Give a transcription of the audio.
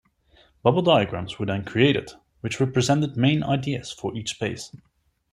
Bubble diagrams were then created which represented main ideas for each space.